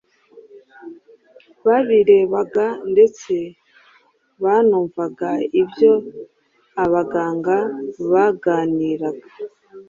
babirebaga ndetse banumvaga ibyo abaganga baganiraga.